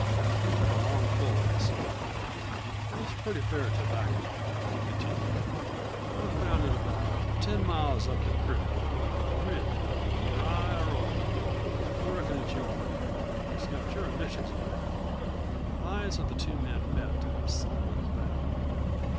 He took a long pull at the cigarette. "It's pretty fair tobacco," he continued. "I found it about ten miles up the crick, on a ridge above a dry arroyo. I reckon it's your'n. It's got your initials on it." The eyes of the two men met in a silent battle.